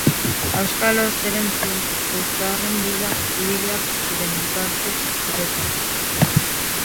Auskalo zeren zuztarren bila ibiliak ziren bitarte horretan.